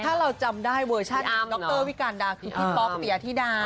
ถ้าเราจำได้เวอร์ชั่นดรวิการดาคที่ป๊อกเตียที่ด้าน